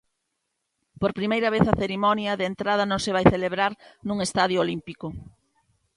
Por vez primeira, a cerimonia de entrada non se vai celebrar nun estadio olímpico.